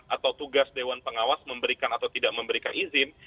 atau tugas dewan pengawas memberikan atau tidak memberikan izin